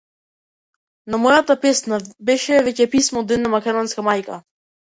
Но мојата песна беше веќе писмо до една македонска мајка.